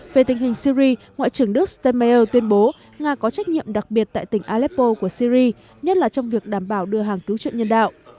về tình hình syri ngoại trưởng đức stemmeier tuyên bố nga có trách nhiệm đặc biệt tại tỉnh aleppo của syri nhất là trong việc đảm bảo đưa hàng cứu trợ nhân đạo